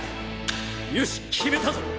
よし決めたぞ。